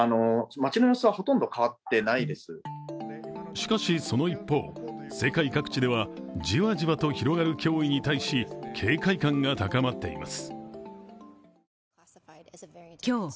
しかしその一方世界各地ではじわじわと広がる脅威に対し警戒感が高まっています。